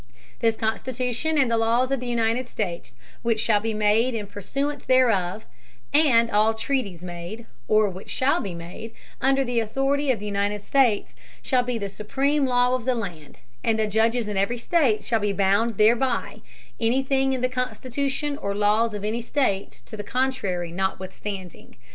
This Constitution, and the Laws of the United States which shall be made in Pursuance thereof; and all Treaties made, or which shall be made, under the Authority of the United States, shall be the supreme Law of the Land; and the Judges in every State shall be bound thereby, any Thing in the Constitution or Laws of any State to the Contrary notwithstanding.